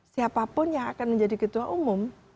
siapapun yang akan menjadi ketua umum